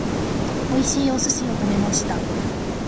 美味しいお寿司を食べました。